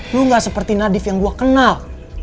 lu gak seperti nadif yang gue kenal